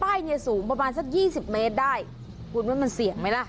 เป้อยนี้สูงประมาณสักยี่สิบเมตรได้เพราะว่ามันเสี่ยงไม่ล่ะ